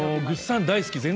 ぐっさん大好き